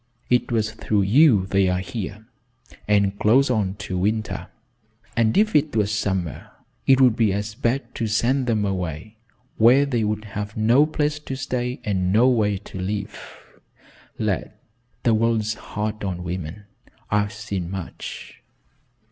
It was through you they are here, and close on to winter, and if it was summer, it would be as bad to send them away where they would have no place to stay and no way to live. Lad, the world's hard on women. I've seen much."